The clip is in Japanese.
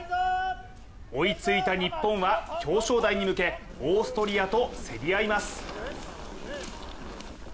追いついた日本は表彰台に向けオーストリアと競り合います。